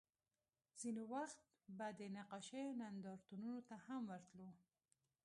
ځینې وخت به د نقاشیو نندارتونونو ته هم ورتلو